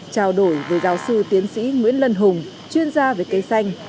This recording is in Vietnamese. trao đổi với giáo sư tiến sĩ nguyễn lân hùng chuyên gia về cây xanh